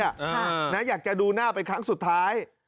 นะอยากจะดูหน้าไปครั้งสุดท้าย